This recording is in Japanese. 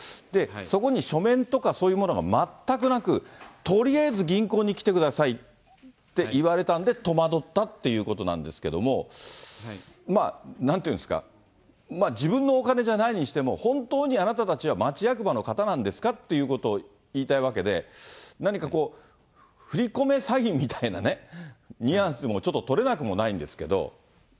そこに書面とか、そういうものが全くなく、とりあえず銀行に来てくださいといわれたんで、戸惑ったっていうことなんですけども。なんていうんですか、自分のお金じゃないにしても、本当にあなたたちは町役場の方なんですかっていうことを言いたいわけで、何かこう、振り込め詐欺みたいなね、ニュアンスにもちょっと取れなくもないんですけど。